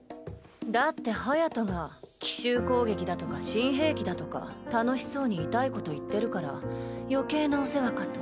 だって隼が奇襲攻撃だとか新兵器だとか楽しそうにイタいこと言ってるから余計なお世話かと。